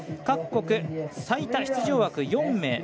各国最多出場枠が４名。